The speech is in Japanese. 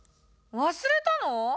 忘れたの！？